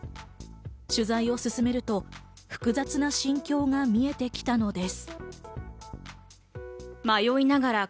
取材を進めると複雑な心境が見えてきたのです。